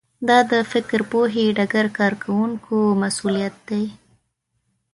دا د فکر پوهې ډګر کارکوونکو مسوولیت دی